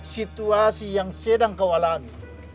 situasi yang sedang kau alami